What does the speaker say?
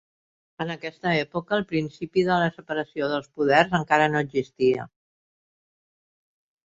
En aquesta època el principi de la separació dels poders encara no existia.